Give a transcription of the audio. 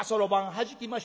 はじきましてね